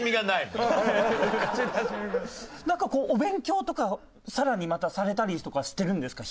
なんかこうお勉強とかさらにまたされたりとかしてるんですか？